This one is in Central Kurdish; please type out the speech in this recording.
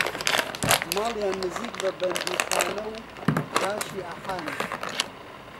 ماڵیان نێزیک بە بەندیخانەوو ئاشی ئەحان